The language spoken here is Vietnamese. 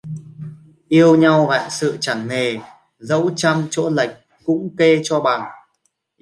Yêu nhau vạn sự chẳng nề, dẫu trăm chỗ lệch cũng kê cho bằng